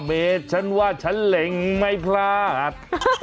ระยะ๕เมตรฉันว่าฉันเล่นไม่พลาด